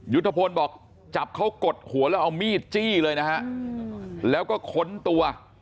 ยุทธพลบอกจับเขากดหัวแล้วเอามีดจี้เลยนะฮะแล้วก็ค้นตัว